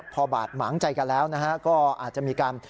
พอบาดหมางใจกันแล้วนะฮะก็อาจจะมีการ